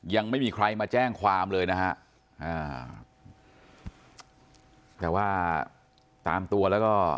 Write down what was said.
ยังไม่มีใครมาแจ้งความเลยนะฮะอ่าแต่ว่าตามตัวแล้วก็